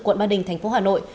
quận ba đình tp hà nội